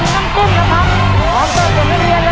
สิทธิ์ถาดด้วยกันนะครับ